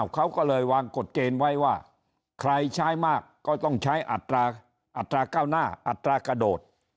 เขาก็เลยวางกฎเกณฑ์ไว้ว่าใครใช้มากก็ต้องใช้อัตราเก้าหน้าอัตรากระโดด